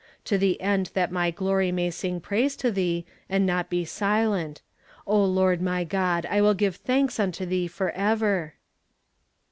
To the end that my glory may sing praise to thee, and not be silent. O Lord my God, I will give thanks unto thee forever